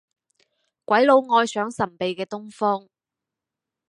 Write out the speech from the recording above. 鬼佬愛上神秘嘅東方